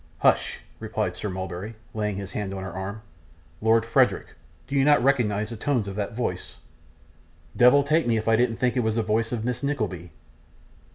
'Hush!' replied Sir Mulberry, laying his hand on her arm. 'Lord Frederick, do you recognise the tones of that voice?' 'Deyvle take me if I didn't think it was the voice of Miss Nickleby.